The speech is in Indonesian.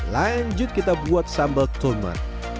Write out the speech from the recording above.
lanjut kita buat sambal tomat